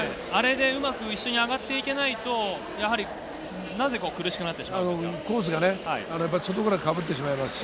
うまく一緒に上がっていけないと、なぜ苦しくなってしまいますか？